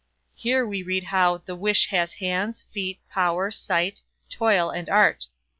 Here we read how "The Wish" has hands, feet, power, sight, toil, and art.